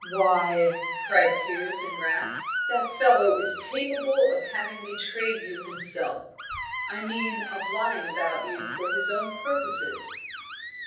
"Why," cried Piers, in wrath, "that fellow is quite capable of having betrayed you himself. I mean, of lying about you for his own purposes."